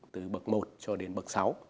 từ bậc một cho đến bậc sáu